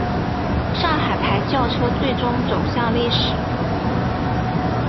上海牌轿车最终走向历史。